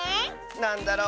なんだろう？